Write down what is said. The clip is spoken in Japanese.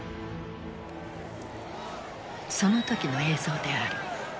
その時の映像である。